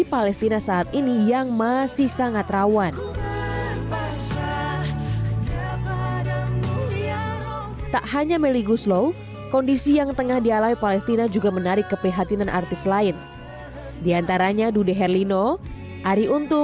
selanjutnya melly akan melanjutkan perjalanan ke perbatasan suriah